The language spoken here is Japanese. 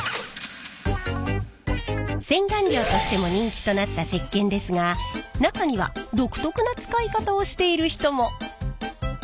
洗顔料としても人気となった石けんですが中には独特な使い方をしている人も。